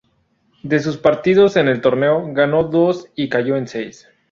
De sus partidos en el torneo, ganó dos y cayó en seis.